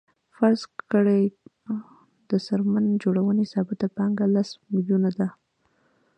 فرض کړئ د څرمن جوړونې ثابته پانګه لس میلیونه ده